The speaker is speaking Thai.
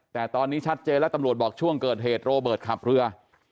แต่ตอนนี้ชัดเจนแล้วตำรวจบอกช่วงเกิดเหตุโรเบิร์ตขับเรือ